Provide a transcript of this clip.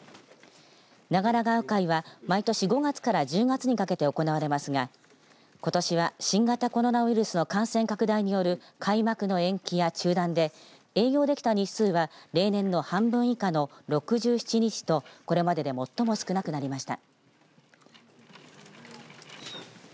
長良川鵜飼は、毎年５月から１０月にかけて行われますがことしは新型コロナウイルスの感染拡大による開幕の延期や中断で営業できた日数は例年の半分以下の６７日とこれまでで最も少なくなりました。